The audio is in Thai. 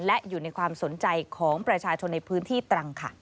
และอยู่ในความสนใจของประชาชนในพื้นที่ตรังค่ะ